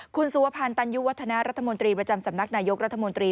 คุณสุวพันธ์ตันยุวัฒนารัฐมนตรีประจำสำนักนายกรัฐมนตรี